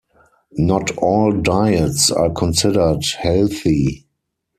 Not all diets are considered healthy.